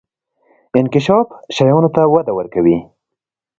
انکشاف شیانو ته وده ورکوي.